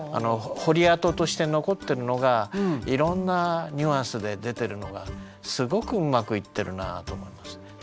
彫り跡として残ってるのがいろんなニュアンスで出てるのがすごくうまくいってるなぁと思いますね。